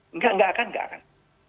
enggak enggak akan enggak kan